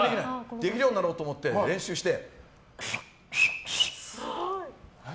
できるようになろうと思って練習して。